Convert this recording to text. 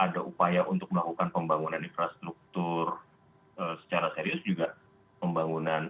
ada upaya untuk melakukan pembangunan infrastruktur secara serius juga pembangunan